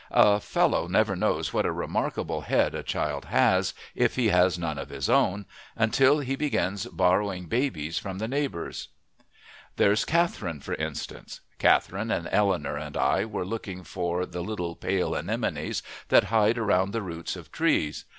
A fellow never knows what a remarkable head a child has, if he has none of his own, until he begins borrowing babies from the neighbors. There's Catherine, for instance. Catherine and Eleanor and I were looking for the little pale anemones that hide around the roots of trees.